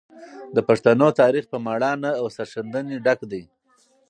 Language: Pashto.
د پښتنو تاریخ په مړانه او سرښندنې ډک دی.